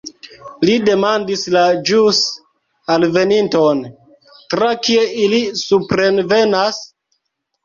Li demandis la ĵus alveninton: "Tra kie ili suprenvenas?"